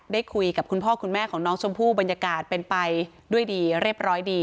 ได้คุยกับคุณพ่อคุณแม่ของน้องชมพู่บรรยากาศเป็นไปด้วยดีเรียบร้อยดี